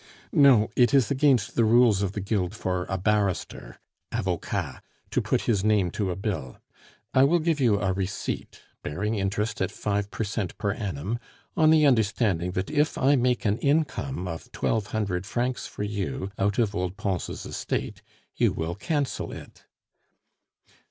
"No. It is against the rules of the guild for a barrister (avocat) to put his name to a bill. I will give you a receipt, bearing interest at five per cent per annum, on the understanding that if I make an income of twelve hundred francs for you out of old Pons' estate you will cancel it."